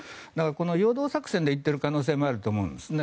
陽動作戦で言っている可能性もあると思うんですね。